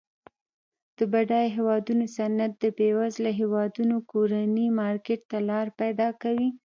د بډایه هیوادونو صنعت د بیوزله هیوادونو کورني مارکیټ ته لار پیداکوي.